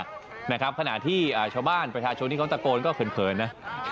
ขณะที่ชาวบ้านประทาชโชว์พี่เขาตะโกนก็เขินนะ